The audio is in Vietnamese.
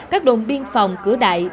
các đồn biên phòng cửa đại